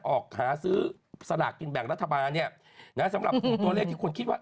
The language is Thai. ออกหาซื้อสลากกินแบ่งรัฐบาลเนี่ยนะสำหรับตัวเลขที่คนคิดว่า